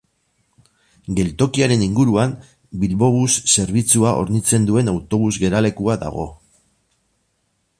Geltokiaren inguruan Bilbobus zerbitzua hornitzen duen autobus geralekua dago.